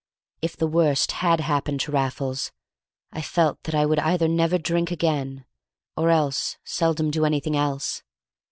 If the worst had happened to Raffles, I felt that I would either never drink again, or else seldom do anything else.